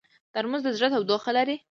ترموز د زړه تودوخه لري.